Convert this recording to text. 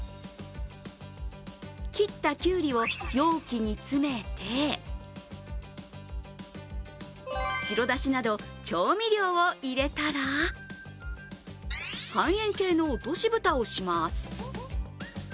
切ったきゅうりを容器に詰めて白だしなど調味料を入れたら半円形の落とし蓋をします。